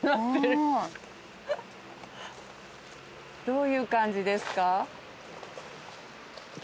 どういう感じですか？